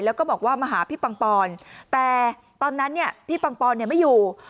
แล้วก็บอกว่ามาหาพี่ปังปอนแต่ตอนนั้นเนี่ยพี่ปังปอนไม่อยู่